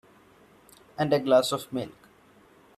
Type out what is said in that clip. And a glass of milk.